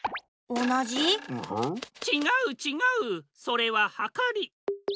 ちがうちがうそれははかり。